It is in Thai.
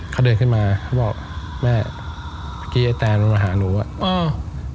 เขาเดินขึ้นมาเขาบอกแม่พักีไอ้แทนมันมาหาหนูอ่ะ